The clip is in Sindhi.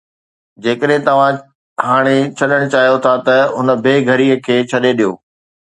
جيڪڏھن توھان ھاڻي ڇڏڻ چاھيو ٿا ته ھن بي گھريءَ کي ڇڏي ڏيو